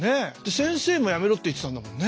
先生もやめろって言ってたんだもんね。